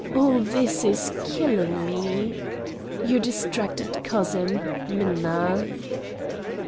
All this is killing me. Your distracted cousin, MINNA."